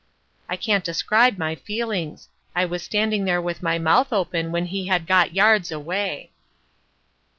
I cannot describe my feelings. I was standing there with my mouth open when he had got yards away."